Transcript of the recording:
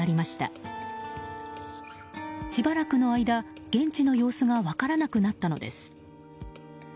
しばらくの間、現地の様子が分からなくなったのです。